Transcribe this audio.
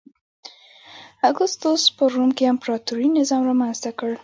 اګوستوس په روم کې امپراتوري نظام رامنځته کړ